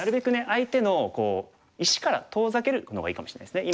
相手の石から遠ざけるのがいいかもしれないですね。